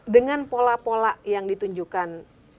dengan pola pola yang ditunjukkan